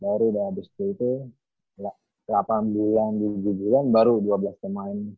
baru udah habis itu delapan bulan tujuh bulan baru dua belas ke main